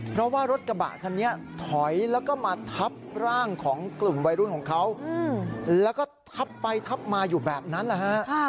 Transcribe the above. เพราะว่ารถกระบะคันนี้ถอยแล้วก็มาทับร่างของกลุ่มวัยรุ่นของเขาแล้วก็ทับไปทับมาอยู่แบบนั้นแหละฮะ